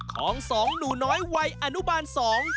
ของสองหนูน้อยวัยอนุบาลสอง